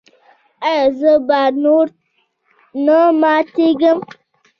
ایا زه به نور نه ماتیږم؟